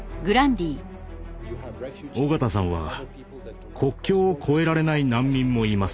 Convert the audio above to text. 緒方さんは「国境を越えられない難民もいます。